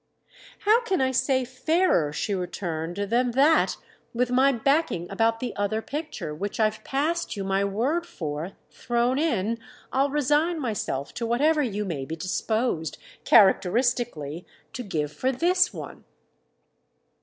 "How can I say fairer," she returned, "than that, with my backing about the other picture, which I've passed you my word for, thrown in, I'll resign myself to whatever you may be disposed—characteristically!—to give for this one."